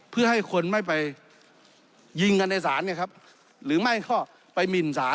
เพื่อให้คนไม่ไปยิงกันในศาลหรือไม่ให้ไปหมิ่นศาล